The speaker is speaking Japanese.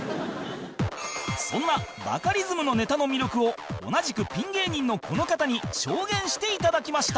そんなバカリズムのネタの魅力を同じくピン芸人のこの方に証言して頂きました